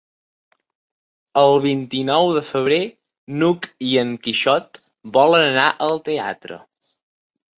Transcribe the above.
El vint-i-nou de febrer n'Hug i en Quixot volen anar al teatre.